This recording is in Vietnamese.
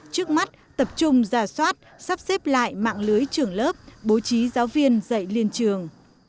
trước mắt tập trung ra soát sắp xếp lại mạng lưới trường lớp bố trí giáo viên dạy liên trường